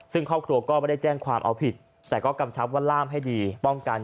ซึ่งครอบครัวก็ไม่ได้แจ้งความเอาผิดแต่ก็กำชับว่าล่ามให้ดีป้องกัน